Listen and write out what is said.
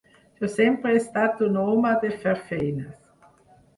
Jo sempre he estat un home de fer feines.